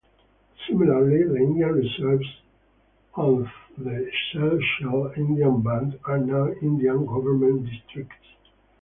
Similarly, the Indian reserves of the Sechelt Indian Band are now Indian Government Districts.